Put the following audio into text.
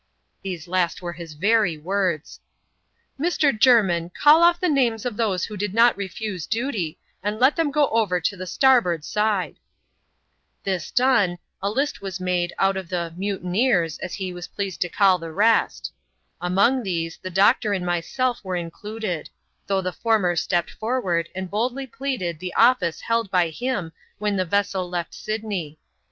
(These last were liis very words.) " Mr. Jermin, call off the names of those who did not refuse doty, and let them go over to the starboard aidje.' This done, a list was made out oi \\\e *^ muWw^et^'T ^^^ CHAP, xxvxi.] A GLAKCE AT PAPEETEE. 105 was pleased to call the rest. Among these, the doctor and myself were included ; though the former stepped forward, and boldly pleaded the office held by him when the vessel left Syd ney.